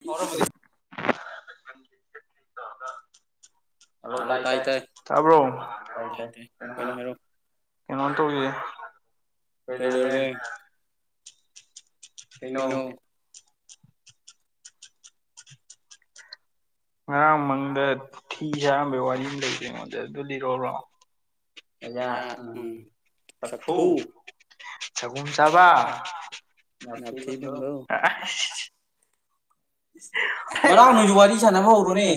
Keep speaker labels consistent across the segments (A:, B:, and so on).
A: [unintelligible] hello ꯇꯥꯏ ꯇꯥꯏ ꯊꯕ꯭ꯔꯣ [unintelligible] ꯀꯩꯅꯣ ꯇꯧꯏ [unintelligible] ꯀꯩꯅꯣ ꯉꯔꯥꯡ ꯃꯪꯗ ꯊꯤ ꯆꯥꯔꯝꯕꯩ ꯋꯥꯔꯤ ꯑꯃ ꯂꯩꯔꯤ ꯑꯩꯉꯣꯟꯗ ꯑꯗꯨ ꯂꯤꯔꯣꯔꯣ ꯑꯋꯥ ꯎꯝ ꯁꯐꯨ ꯆꯒꯨꯝ ꯆꯥꯕ [unintelligible]
B: ꯉꯔꯥꯡ ꯅꯣꯏꯁꯨ ꯋꯥꯔꯤ ꯁꯥꯟꯅꯕ ꯍꯧꯔꯣꯅꯦ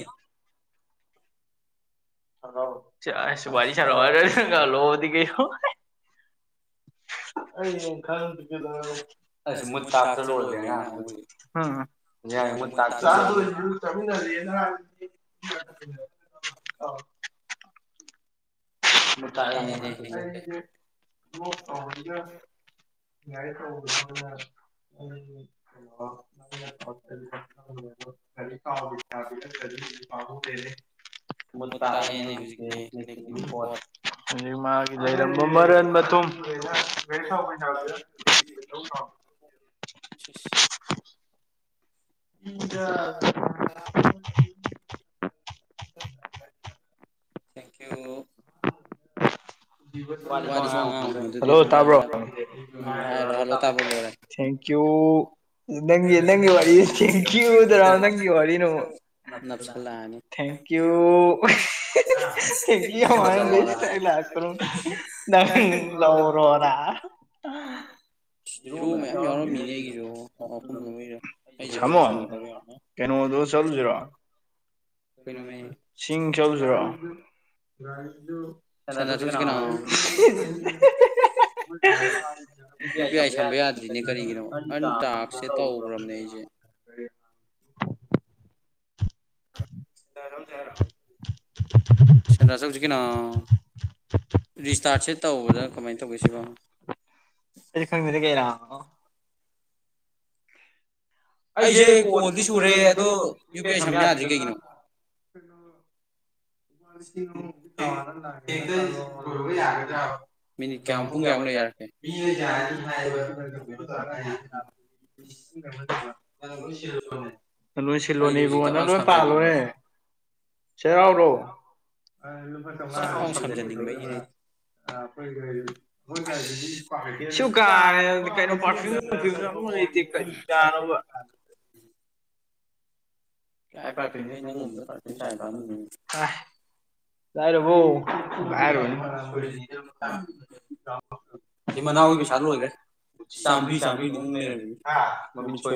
A: ꯍ ꯆꯁꯕꯥꯖꯤ ꯁꯔ ꯋꯥꯔꯤꯔꯔ ꯀ ꯂꯣꯍꯤ ꯀ ꯑꯩꯡ ꯈꯪꯗꯗ ꯑꯁ ꯃꯨꯠ ꯇꯥꯞꯇ ꯂꯣꯏꯗ꯭ꯔꯦ ꯉꯥꯡ ꯃꯣꯏꯗꯤ ꯎꯝ ꯌꯥꯏ ꯇ ꯑꯥꯎ [inaudible] ꯌꯥꯏ ꯄ꯭ꯔꯣ ꯎꯣ ꯀꯔꯤ ꯀꯔꯤꯗꯦꯅꯦꯦ ꯃꯀꯅꯦꯕꯄ ꯑꯩ ꯃꯥꯒꯤ ꯂꯩꯔꯝꯕ ꯃꯔꯟ ꯃꯊꯨꯝ
B: [inaudible]
A: ꯎꯗ
B: ꯍꯔꯞ ꯊꯦꯡꯀꯤ ꯌꯨ
A: ꯍꯜꯂꯣ ꯇꯥꯕ꯭ꯔꯣ ꯊ ꯀꯨ ꯅꯪ ꯅꯪꯒꯤ ꯋꯥꯔꯤ ꯊꯦꯡ ꯀ꯭ꯌꯨꯗꯔ ꯅꯪꯒꯤ ꯋꯥꯔꯤꯅꯣ ꯊ ꯌꯨ ꯊꯥꯏꯦꯁ ꯅꯪ ꯂꯔꯣꯔ
B: ꯍꯔꯣ ꯃꯌꯥꯝ ꯌꯥꯎꯔꯝꯃꯤꯅꯦ ꯑꯩꯒꯤꯁꯨꯣ ꯑꯣ ꯨꯝꯔ ꯑꯩꯁꯦ ꯈꯔ ꯈ ꯁꯥꯟꯅꯗꯕ ꯌꯥꯃꯩꯅ ꯀꯩꯅꯣ ꯆ
A: ꯑ [inaudible]
B: ꯆꯥꯛꯁꯦ ꯇꯧꯈ꯭ꯔꯕꯅꯦ ꯑꯩꯁꯦ
A: [inaudible]
B: ꯌꯥꯖꯔꯝꯖꯔꯝ ꯁꯗ꯭ꯔ ꯁ ꯍꯧꯖꯤ ꯀ ꯅ ꯔꯤꯁꯇꯥꯔꯠꯁꯦ ꯇꯧꯕꯗ ꯀꯃꯥꯏꯅ ꯇꯧꯒꯦ ꯁꯤꯕ
A: ꯍꯦꯔ
B: ꯑꯩꯁꯦ ꯀꯣꯜꯗꯤ ꯁꯨꯔꯦ ꯑꯗꯣ ꯌꯨ ꯄꯤ ꯑꯥꯏ ꯁꯝ ꯌꯥꯗ꯭ꯔꯤ ꯀꯩꯒꯤꯅꯣ
A: ꯍꯣ ꯌꯥꯔꯗ ꯝꯄ ꯀ ꯌꯥ ꯃꯤ ꯌꯥꯅꯤ ꯍꯥꯏ [inaudible] ꯅꯣꯏ ꯁꯤꯜꯂꯣꯅꯦꯕꯨ ꯅꯪ ꯂꯣꯏ ꯄꯥꯜꯂꯨꯔꯦ ꯆꯩꯔꯥꯎꯔꯣ ꯑ ꯐ ꯀꯥꯏꯔꯦ ꯀ ꯄ ꯀ ꯀꯅ ꯀꯥꯏ ꯄꯔꯄꯤ ꯅꯪꯗ ꯄ ꯆꯄ ꯌꯥꯥꯏꯔꯦ ꯍꯥꯏꯔꯅꯤ ꯑꯗꯨꯃꯅꯥꯑꯣ ꯃꯤꯁꯥꯜꯨ ꯑꯣꯏꯒꯦ ꯆꯥꯝꯃꯔꯤ ꯆꯥꯝꯃꯔꯤꯛ ꯂꯩꯔꯗꯤ ꯃꯃꯤꯠ ꯁꯣꯏ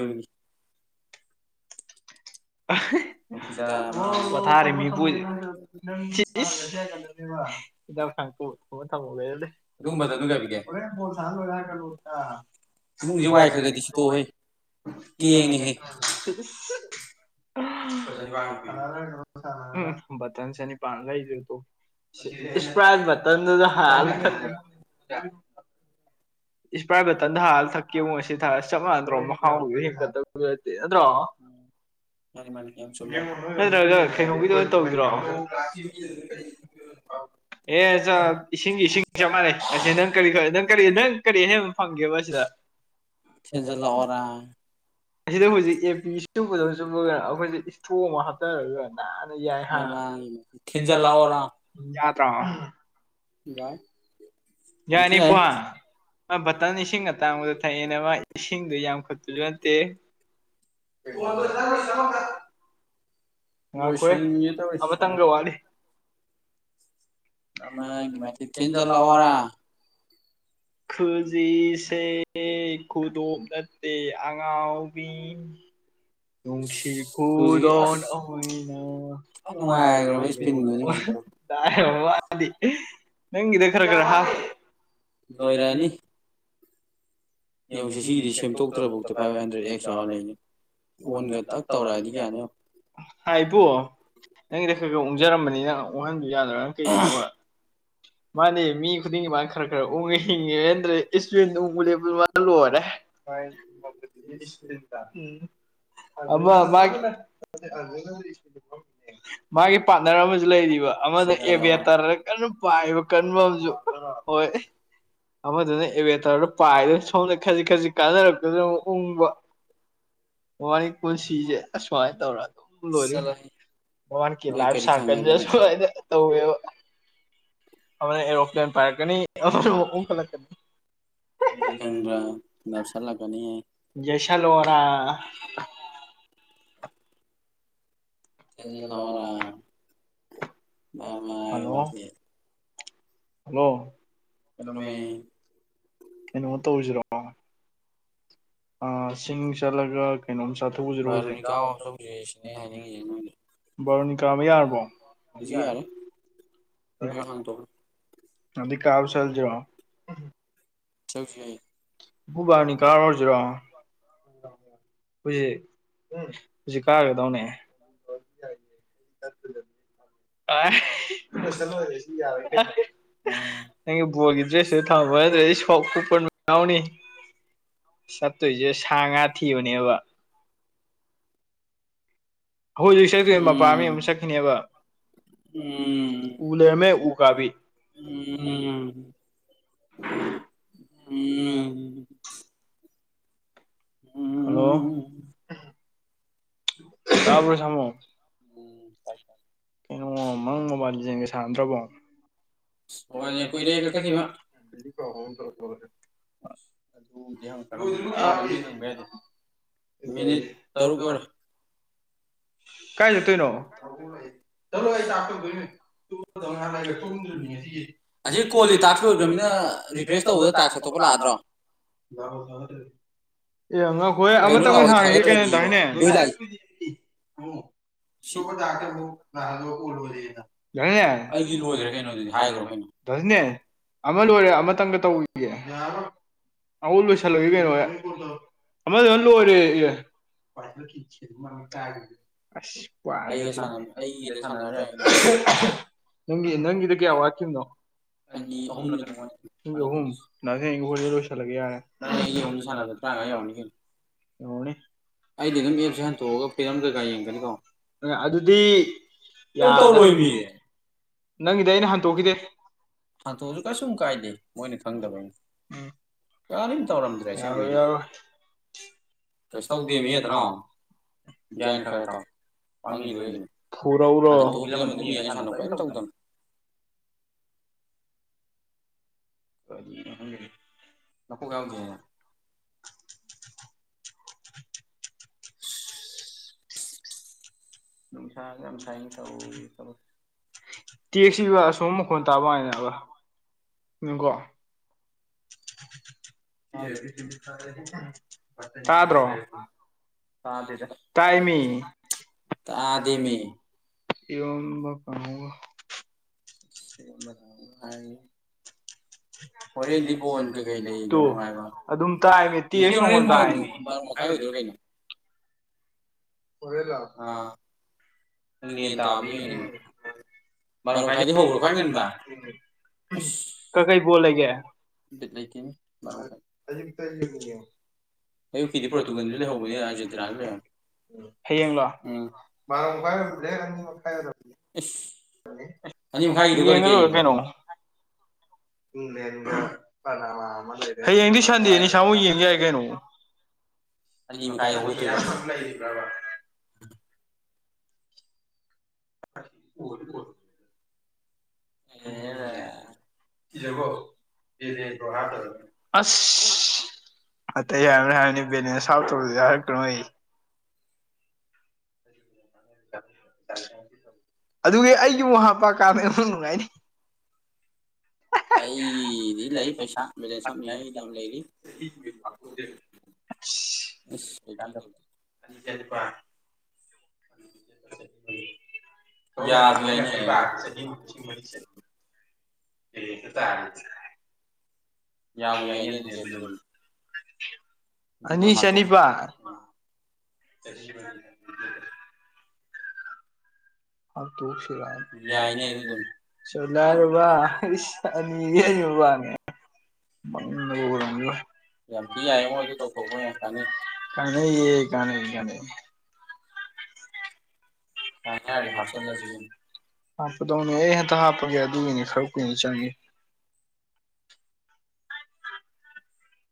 A: ꯄꯊꯥꯔꯦ ꯃꯤꯄ ꯍꯤꯗꯥꯛꯥꯡꯊ ꯊ ꯂꯩꯔꯦ ꯑꯗꯨꯒꯨꯝꯕꯗꯔꯤꯒꯦ ꯏꯃꯨꯡꯁꯦ ꯋꯥꯏꯈ꯭ꯔꯒꯗꯤ ꯐꯗꯣꯛꯑꯣ ꯌꯦꯡꯉꯦ ꯍꯦ [inaudible] ꯕꯇꯟ ꯆꯅꯤꯄꯥꯟ ꯂꯩꯗ ꯇ ꯏꯁꯄ꯭ꯔꯥꯏꯠ ꯕꯇꯟꯗꯨꯗ ꯍ ꯑ ꯏꯁ ꯄ꯭ꯔꯥꯏꯕꯦꯇꯟꯗ ꯊꯥꯜꯂ ꯊꯛꯀꯦꯕ ꯉ ꯁꯤ ꯊꯥꯔ ꯆꯞ ꯃꯥꯟꯅꯗ꯭ꯔꯣ ꯃꯍꯥꯎꯗꯨ ꯍꯦꯟꯒꯠꯇꯕ ꯅꯦ ꯅꯠꯇ꯭ꯔꯣ ꯅꯠꯇ꯭ꯔꯒ ꯀꯩꯍꯧꯕꯤꯗ ꯇꯧꯤꯗ꯭ꯔꯣ ꯔ ꯀ ꯑꯦ ꯏꯁꯤꯡ ꯏꯁꯤꯡ ꯆꯞ ꯃꯥꯟꯅꯩ ꯑꯁ ꯅꯪ ꯀꯔꯤ ꯈ ꯅꯪ ꯀꯔꯤ ꯅꯪ ꯀꯔꯤ ꯑꯍꯦꯟꯕ ꯐꯪꯒꯦꯕ ꯁꯤꯗ
B: ꯁꯖꯦꯜꯂ ꯑꯣꯔꯥ
A: ꯑꯁꯤꯗ ꯍꯧꯖꯤꯛ ꯑꯦ ꯄꯤ ꯆꯨꯞꯕꯗꯧ ꯆꯨꯞꯕꯒ ꯑꯩꯈꯣꯏꯁꯦ ꯏꯁꯇꯣ ꯑꯃ ꯅꯤ ꯌꯥꯏꯖ ꯂ ꯑꯣꯔ ꯌꯥ꯭ꯔ ꯌꯥꯏꯅꯤ ꯐ ꯕꯇꯟ ꯏꯁꯤꯡ ꯑꯇꯥꯡꯕꯗ ꯊꯛꯑꯦꯕ ꯏꯁꯤꯡꯗꯨ ꯌꯥꯝ ꯈꯨꯨꯠꯇꯨꯁꯨ ꯅꯠꯇꯦ ꯍꯃ ꯑꯣꯏꯕ ꯇꯪꯒ ꯋꯥꯔꯤꯅꯤ
B: ꯦ ꯃꯦ ꯊꯦꯟꯖꯂ ꯑꯣꯔ
A: ꯈꯖꯤꯁꯦ ꯈꯨꯗꯣꯞ ꯅꯠꯇꯦ ꯑꯉꯥꯎꯕꯤ ꯅꯨꯡꯁꯤ ꯈꯨꯗꯣꯟꯅ ꯅꯨꯡꯉꯥꯏꯔ ꯗꯤ ꯅꯪꯒꯤꯗ ꯈꯔ ꯈꯔ ꯍꯥꯥ
B: ꯣꯏꯔꯅꯤ ꯌꯦꯡꯉꯁꯤ ꯁꯤꯒꯤꯗꯤ ꯁꯦꯝꯗꯣꯛꯇ꯭ꯔꯐꯥꯎꯗ ꯐꯥꯏꯚ ꯍꯟꯗ꯭ꯔꯦꯗ ꯑꯦꯛꯁꯇ꯭ꯔꯥ ꯂꯩꯅꯤ
A: ꯐꯣꯟꯒ ꯇꯧꯔꯛꯑꯅꯤ ꯌꯥꯅꯤ ꯍꯥꯏꯕꯣ ꯅꯪꯒꯤꯗ ꯈꯔ ꯈꯔ ꯑꯣꯟꯖꯔꯝꯕꯅꯤ ꯅꯪ ꯑꯣꯡꯍꯟꯕ ꯌꯥꯗꯣꯏꯔꯥ ꯅꯪ ꯀꯩ ꯌꯦꯅꯕ ꯃꯥꯅꯦ ꯃꯤ ꯈꯨꯗꯤꯡꯒꯤ ꯃꯥꯅ ꯈꯔ ꯈꯔ ꯎꯡꯉꯦ ꯍꯤꯡꯉꯦꯦꯟꯗ꯭ꯔꯦ ꯏꯁꯇꯦꯟ ꯎꯝ ꯑꯗꯨ ꯃꯥꯒꯤ ꯄꯥꯔꯠꯅꯔ ꯑꯃꯁꯨ ꯂꯩꯔꯤꯕ ꯑꯃꯗ ꯑꯦꯚꯦ ꯇꯔ ꯀ ꯄꯥꯏꯕ ꯀꯟꯕ ꯑꯃꯁꯨ ꯑꯣꯏ ꯑꯃꯗꯨꯅ ꯏꯚꯦꯇꯔꯗ ꯄꯥꯏꯗ ꯃꯐꯝꯗ ꯈꯖꯤꯛ ꯈꯖꯤꯛ ꯀꯥꯟꯅꯔꯛꯇꯗꯅ ꯑꯃꯨꯛ ꯎꯪꯕ ꯋꯥꯔꯤꯒꯤ ꯄꯨꯟꯁꯤꯁꯦ ꯑꯁꯨꯃꯥꯏꯅ ꯇꯧꯔ ꯑꯗꯨꯝ ꯂꯣꯏꯅ ꯃꯕꯥꯟꯒꯤ ꯂꯥꯏꯐ ꯁꯥꯔꯀꯜꯗ ꯁꯋꯥꯏꯗ ꯇꯧꯋꯦ ꯃꯅ ꯑꯦꯔꯣꯄ꯭ꯂꯦꯟ ꯄꯥꯏꯔꯒꯅꯤ ꯐꯀꯅꯤ ꯦꯁꯂꯔꯥ
B: ꯔ ꯃꯥꯦ
A: ꯍꯜꯂꯣ ꯀꯩꯅꯣꯅꯦ ꯀꯩꯅꯣꯃ ꯇꯧꯁꯤꯔꯣ ꯑ ꯁꯤꯡ ꯆꯠꯂꯒ ꯀꯩꯅꯣꯝ ꯆꯥꯊꯣꯛꯎꯁꯤꯔꯣꯁꯦ ꯕꯥꯔꯣꯅꯤ ꯀꯥꯕ ꯌꯥꯔꯕꯣ ꯌꯥꯔꯦ
B: ꯍ ꯍꯪ ꯇ
A: ꯑꯗꯤ ꯀꯥꯞ ꯆꯜꯖꯣ
B: ꯆ
A: ꯕꯥꯅꯤ ꯀꯥꯔ ꯑꯣꯏꯁꯤꯔꯣ ꯍꯧꯁ ꯍꯧꯛ ꯀꯥꯒꯗꯧꯅꯦ ꯑ ꯆꯜꯂ ꯑꯣꯏꯗꯦ ꯁꯤ ꯌꯥꯔ ꯅꯪꯒꯤ ꯕꯣꯔꯒꯤ ꯗ꯭ꯔꯦꯁꯁꯨ ꯊꯝꯕꯕ ꯅꯗ꯭ꯔꯦ ꯑꯩ ꯁꯣ ꯀꯨꯄꯟ ꯌꯥꯎꯅꯤ ꯆꯠꯇꯣꯏꯁꯦ ꯁꯥ ꯉꯥ ꯊꯤꯕꯅꯦꯕ ꯍꯣꯏ ꯍꯧꯖꯤꯛ ꯆꯠꯇꯨꯅ ꯃꯄꯥ ꯃꯤ ꯑꯃꯨ ꯆꯠꯈꯤꯅꯦꯕ ꯎꯝ ꯎ ꯂꯩꯔꯃꯦ ꯎꯒꯥꯥꯕꯤ ꯎꯝ
B: ꯎꯝ
A: ꯍꯜꯂꯣ ꯇꯕ꯭ꯔꯣ ꯁꯃꯣ
B: ꯎꯝ
A: ꯀꯩꯅꯣ ꯃꯪ ꯃꯣꯕꯥꯏꯜꯗ ꯌꯦꯡꯒꯦ ꯁꯥꯥꯟꯝꯗ꯭ꯔꯕꯣ ꯍꯅꯦ ꯀꯨꯏꯔꯦꯇꯪꯤꯕ ꯃꯅꯦ ꯇꯔꯨ ꯀ ꯀꯥꯏ ꯅꯠꯇꯅ ꯗꯅꯤ ꯁꯤ ꯑꯁꯤ ꯀꯣꯜꯁꯦ ꯇꯥꯛꯂꯣꯏꯗ꯭ꯔꯕꯅꯤꯅ ꯔꯤꯀ꯭ꯋꯦꯁ ꯇꯧ ꯇꯥꯛꯄꯥꯛꯗ꯭ꯔꯣ ꯗꯦ ꯑꯦ ꯑꯉꯥꯡꯈꯣꯏ ꯑꯃꯇꯪ ꯑꯃꯨꯛ ꯁꯥꯡꯉꯒꯦ ꯀꯩꯅꯣꯗꯗꯥꯏꯅꯦ ꯨꯛ ꯑꯩꯒꯤ ꯂꯣꯏꯈ꯭ꯔꯦ ꯀꯩꯅꯣ ꯁꯅꯦ ꯑꯃ ꯂꯣꯏꯔꯦ ꯑꯃꯇꯪꯒ ꯇꯧꯈꯤꯒꯦ ꯑ ꯂꯣꯏꯁꯤꯜꯂꯒꯦ ꯀꯩꯅꯣ ꯑꯃꯗ ꯂꯣꯏꯔꯦ ꯏ ꯑꯗꯨ ꯃ ꯇꯥꯏ ꯑꯁ ꯄꯗ ꯁ ꯑꯩ ꯏꯗ ꯁꯥꯟꯅꯔꯦꯒꯤ ꯅꯪꯒꯤꯗ ꯋꯥ ꯅꯣ ꯑ ꯑꯍꯨꯝ ꯅ ꯏ ꯑꯍꯨꯝ ꯅꯪ ꯍ ꯂꯣꯏꯁꯤꯜꯂꯒꯦ ꯌꯥꯔꯦꯪ ꯌꯦꯡꯉꯅꯦ ꯑꯩꯗꯤ ꯑꯗꯨꯝ ꯑꯦꯞꯁꯦ ꯍꯟꯇꯣꯛꯑꯒ ꯄꯤꯔꯝꯗ꯭ꯔꯀꯥ ꯌꯦꯡꯒꯅꯤꯀꯣ ꯑꯗꯨꯗꯤ ꯌꯥꯝ ꯑꯣꯏꯅꯤ ꯅꯪꯒꯤꯗ ꯑꯩꯅ ꯍꯟꯇꯣꯛꯈꯤꯗꯦ ꯍꯥꯡꯇꯨꯗ ꯀꯩꯁꯨ ꯀꯥꯏꯗꯦ ꯃꯣꯏꯅ ꯈꯪꯗꯕꯩꯅꯤ ꯀꯔꯤꯝ ꯇꯧꯔꯝꯗ꯭ꯔꯦ ꯇꯧꯗꯦ [inaudible] ꯃꯤꯗꯅꯣ ꯒ꯭ꯌꯥꯟ ꯈꯔ ꯇꯥꯎ ꯄꯗꯨ ꯍꯣꯔꯔꯣ ꯍꯂꯝ ꯑꯗꯨꯝ ꯌꯦꯡꯉ ꯁꯥꯟꯅ [inaudible] ꯗꯤꯪꯖ ꯃꯀꯣꯛ ꯌꯥꯎꯗꯅꯦꯅ [inaudible] ꯅꯨꯡꯁꯥꯒ ꯌꯥꯝ ꯁꯥꯏꯅ ꯇꯧ ꯇꯦꯛꯁꯤꯒ ꯑꯁꯣꯝ ꯃꯈꯣꯟ ꯇꯥꯕ ꯋꯥꯅꯤꯗ ꯌꯦꯡꯉꯨꯒꯣ ꯇꯥꯗ꯭ꯔꯣ ꯇꯗꯦꯗ ꯇꯥꯏꯃꯤ ꯇꯗꯦꯃꯤ [inaudible] ꯢꯔꯣꯛꯕ ꯑꯃꯒ ꯀꯪꯍꯧꯒ ꯐꯦ [inaudible] ꯍꯣꯔꯦꯟꯗꯤꯕꯣꯟ ꯀꯩ ꯂꯩ ꯑꯗꯨꯝ ꯇꯥꯏ [inaudible] ꯕꯥꯔꯣ ꯃꯈꯥꯏꯗ ꯃꯈꯥꯢ ꯍꯣꯔꯦꯟꯂꯣ
B: ꯑꯥ
A: ꯉꯗꯥꯕꯤ [inaudible] ꯃꯔ ꯃꯈꯥꯏꯗꯒꯤ ꯍꯧꯈ꯭ꯔꯣ ꯈꯣꯢ ꯉꯥꯟꯕ ꯀꯩ ꯀꯩ ꯕꯣꯜ ꯂꯩꯒꯦ ꯛꯇ [inaudible] ꯑꯌꯨꯛꯀꯤꯗꯤ ꯄꯣꯔꯇꯨꯒꯜꯁꯨ ꯂꯩꯍꯧꯕꯅꯦ ꯔꯖꯦꯟꯇꯤꯅꯥꯁꯨ ꯂꯩꯍꯧꯕꯅꯦ ꯍꯌꯦꯡꯂꯣ ꯎꯝ [inaudible]
B: [inaudible]
A: ꯑꯥꯏ ꯀꯩꯅꯩꯅꯣ [inaudible] ꯍꯌꯦꯡꯗꯤ ꯁꯟꯗꯦꯅꯤ ꯏꯁꯥꯃꯨꯛ [inaudible] ꯌꯦꯡ ꯌꯥꯏ ꯀꯩꯅꯣ ꯑꯅꯤ ꯀꯥꯏ [inaudible] ꯍꯣ [inaudible] ꯀꯖꯀꯣ [inaudible] ꯂꯩ ꯍꯥꯏ ꯑꯁ [inaudible] ꯑꯇꯩ ꯍꯥꯏꯔꯣꯏ ꯍꯥꯏꯔꯅꯤ ꯕꯦꯅꯦꯅ ꯁꯥꯞ ꯇꯧꯗꯤ ꯍꯥꯏꯔꯛꯇꯣꯢꯅꯦ ꯑꯗꯨꯒꯤ ꯑꯩꯒꯤꯕꯨ ꯍꯥꯄꯥ ꯀꯥꯟꯗ ꯑꯗꯨ ꯅꯨꯡꯉꯥꯏꯅꯤ ꯑ [inaudible]
B: ꯑꯩꯗꯤ ꯂꯩ ꯄꯩꯁꯥ ꯕꯦꯂꯦꯟꯁ ꯍꯥꯃꯤꯉ ꯑꯩꯗꯤ ꯌꯥꯝ ꯂꯩꯔꯤ ꯑ ꯆꯂ [inaudible]
A: ꯑꯕꯥ ꯁ ꯃ ꯃꯁ [inaudible] ꯌꯥꯕꯨ ꯌꯥꯢꯅꯦ ꯑꯗꯨꯗꯤ ꯑꯅꯤ ꯆꯥꯅꯤꯄꯥꯜ ꯑ ꯗꯔꯁꯤꯔꯑ [inaudible] ꯌꯥ ꯁꯣꯅꯔꯕꯁ ꯑꯅꯤ ꯑꯅꯤꯕꯥꯅꯦ [inaudible] ꯌꯥꯝ ꯊꯤ ꯌꯥꯏꯉꯣ ꯑꯗꯨ ꯇꯧꯊꯣꯛꯈꯣ ꯀꯥꯟꯅꯅꯤ ꯀꯥꯟꯅꯩꯌꯦ ꯀꯥꯟꯅꯩꯌꯦ ꯍꯥꯞꯄꯗꯧꯅꯦ ꯑꯩ ꯍꯦꯛꯇ ꯍꯥꯞꯄꯒꯦ ꯑꯗꯨꯒꯤꯅꯦ ꯈꯔ ꯀꯨꯏꯅ ꯆꯪꯉꯦ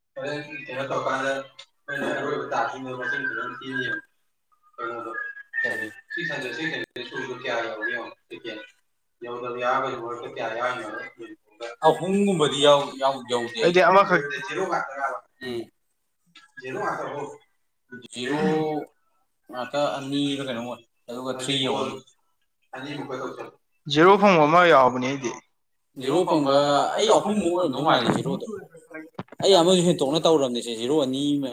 A: [inaudible] [inaudible] [inaudible] ꯑꯍꯨꯝꯒꯨꯝꯕꯗꯤ ꯌꯥ ꯌꯥꯎ [inaudible] ꯖꯦꯔꯣ ꯉꯥꯛꯇ ꯑꯍꯨꯝ ꯉꯥꯛꯇ ꯑꯅꯤꯔꯥ ꯀꯩꯅꯣꯝ ꯑꯣꯏ ꯑꯗꯨꯒ ꯊꯔꯤ ꯑꯍꯨꯝ ꯖꯔꯣ ꯐꯪꯡꯕ ꯑꯃ ꯌꯥꯎꯕꯅꯦ ꯑꯩꯗꯤ
B: ꯖꯤꯔꯣ ꯐꯪꯕ ꯑꯩ ꯑꯍꯨꯝꯃꯨꯛ ꯑꯣꯏꯔꯝꯗꯣꯏ ꯃꯥꯜꯂꯦ ꯖꯤꯔꯣꯗꯣ ꯑꯩ ꯑꯃꯁꯨ ꯍꯦꯟꯇꯣꯛꯅ ꯇꯧꯔꯝꯅꯤꯁꯦ ꯖꯤꯔꯣ ꯑꯅꯤ ꯑꯃ